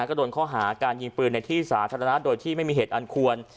ก็โดนข้อหาการยิงปืนในที่สาธารณะโดยที่ไม่มีเหตุอันควร